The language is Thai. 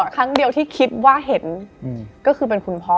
ครั้งเดียวที่คิดว่าเห็นก็คือเป็นคุณพ่อ